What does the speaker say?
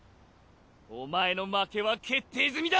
お前の負けは決定済みだ！